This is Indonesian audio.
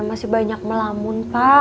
ci yati masih banyak melamun pak